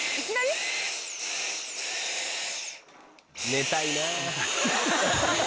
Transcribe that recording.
寝たいな。